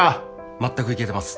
全くいけてます